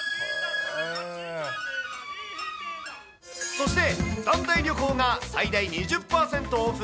そして、団体旅行が最大２０％オフ。